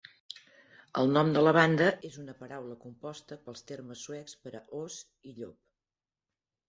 El nom de la banda és una paraula composta pels termes suecs per a "os" i "llop".